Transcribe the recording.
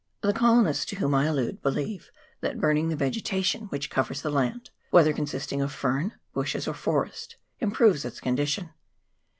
The colonists to whom I allude believe that burning the vegetation which covers the land, whether consisting of fern, bushes, or forest, improves its condition.